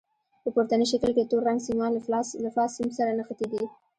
په پورتني شکل کې تور رنګ سیمان له فاز سیم سره نښتي دي.